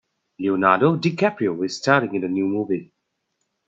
Leonardo DiCaprio is staring in the new movie.